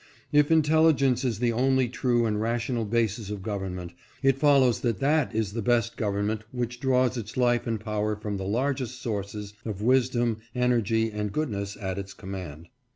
If intelligence is the only true and rational basis of government, it follows that that is the best gov ernment which draws its life and power from the largest sources of wisdom, energy, and goodness at its command.